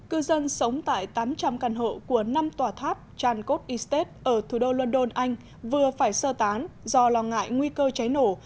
cư dân sống tại tám trăm linh căn hộ của năm tòa tháp chankot isteet ở thủ đô london anh vừa phải sơ tán do lo ngại nguy cơ cháy nổ